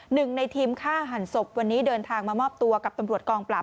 หนึ่งในทีมฆ่าหันศพวันนี้เดินทางมามอบตัวกับตำรวจกองปราบ